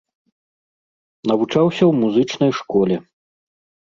Навучаўся ў музычнай школе.